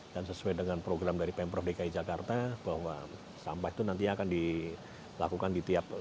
dan sesuai dengan program dari pemprov dki jakarta bahwa sampah itu nanti akan dilakukan di tiap